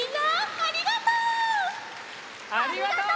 ありがとう！